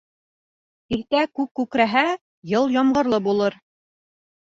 Иртә күк күкрәһә, йыл ямғырлы булыр.